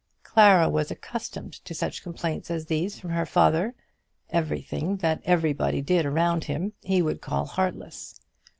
Clara was accustomed to such complaints as these from her father. Everything that everybody did around him he would call heartless.